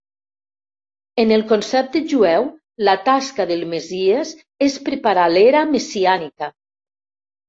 En el concepte jueu, la tasca del Messies és preparar l'era messiànica.